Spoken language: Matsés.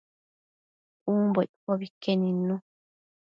umbo iccobi que nidnu